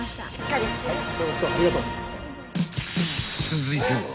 ［続いては］